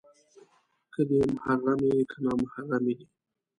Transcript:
که دې محرمې، که نامحرمې دي